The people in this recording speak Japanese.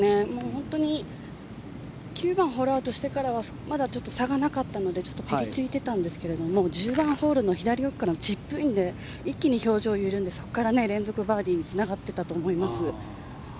本当に９番ホールアウトしてからはまだ差がなかったのでぴりついていたんですが１０番ホールの左奥からのチップインで一気に表情が緩んでそこから連続バーディーにつながっていたと思います。